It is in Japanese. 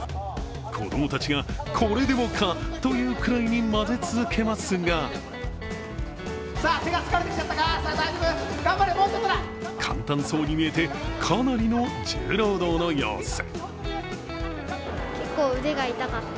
子供たちがこれでもかというくらいに混ぜ続けますが簡単そうに見えてかなりの重労働の様子。